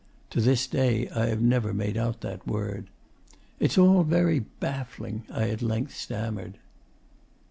(To this day, I have never made out that word.) 'It's all very baffling,' I at length stammered.